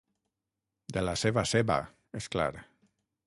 De la seva ceba, és clar.